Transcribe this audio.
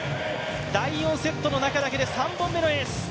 第４セットの中だけで３本目のエース。